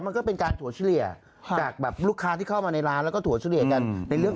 มาที่ร้านเนี่ยชอบมาทานที่ร้านเนี่ยสี่ครั้ง